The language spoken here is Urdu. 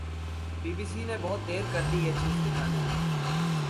بی بی سی نے بہت دیر کردی یہ چیز دکھانے میں۔